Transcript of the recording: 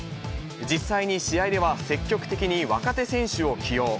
実際に試合では積極的に若手選手を起用。